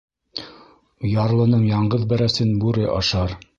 Ярлының яңғыҙ бәрәсен бүре ашар.